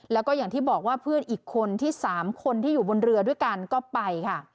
แล้วก็อย่างที่บอกว่าเพื่อนอีกคนที่๓คนที่อยู่บนเรือด้วยกันก็ไปค่ะ